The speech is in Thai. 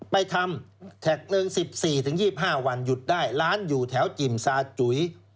ไปทำแท็กหนึ่ง๑๔๒๕วันหยุดได้ร้านอยู่แถวจิ่มซาจุ๋ย